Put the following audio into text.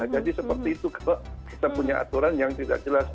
jadi seperti itu kalau kita punya aturan yang tidak jelas